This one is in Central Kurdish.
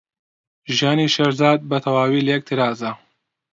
ژیانی شێرزاد بەتەواوی لێک ترازا.